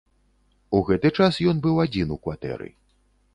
У гэты час ён быў адзін у кватэры.